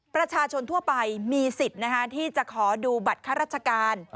ประชาชนทั่วไปมีสิทธิ์ที่จะขอดูบัตรข้าราชการ